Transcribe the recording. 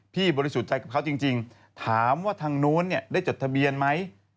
บริสุทธิ์ใจกับเขาจริงถามว่าทางนู้นได้จดทะเบียนไหม